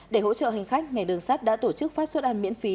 để hỗ trợ hành khách ngày đường sắt đã tổ chức phát xuất ăn miễn phí